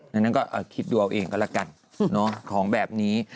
ดังนั้นก็คิดดูเอาเองก็ละกันของแบบนี้